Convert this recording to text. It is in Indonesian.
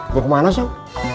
buk mana sok